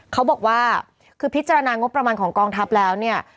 เขาบอกว่าคือพิจารณางบประมาณของกองทัพแล้วเนี่ย